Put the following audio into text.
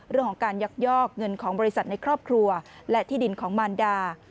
เรื่องของการยักยอกเงินของบริษัทในครอบครัวและที่ดินของมารดา